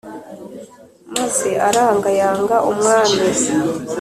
maze aranga yanga umwami